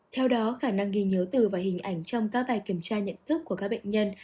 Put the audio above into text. theo đó khả năng ghi nhớ từ và hình ảnh trong các bài kiểm tra nhận thức của các bệnh nhân